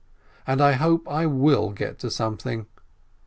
And I hope I will get to something.